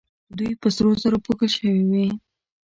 دوی په سرو زرو پوښل شوې وې